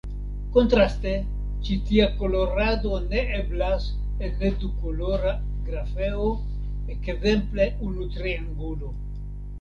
Kontraste, ĉi tia kolorado ne eblas en ne-dukolora grafeo, ekzemple unu triangulo.